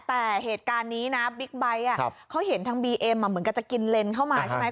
แต่เหตุการณ์นี้นะบิ๊กไบท์เขาเห็นทางบีเอ็มเหมือนกันจะกินเลนเข้ามาใช่ไหม